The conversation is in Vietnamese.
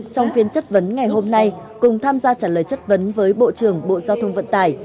trong phiên chất vấn ngày hôm nay cùng tham gia trả lời chất vấn với bộ trưởng bộ giao thông vận tải